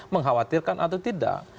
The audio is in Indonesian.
mengkhawatirkan atau tidak